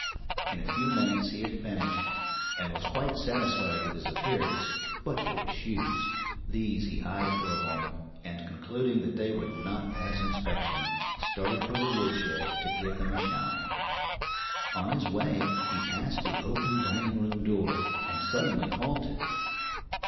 In a few minutes he had finished, and was quite satisfied with his appearance, but for his shoes. These he eyed for a moment, and concluding that they would not pass inspection, started for the woodshed to give them a shine. On his way he passed the open dining room door, and suddenly halted.